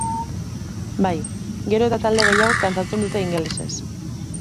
Bai, gero eta talde gehiagok kantatzen dute ingelesez.